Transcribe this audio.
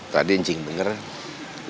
radin cing beneran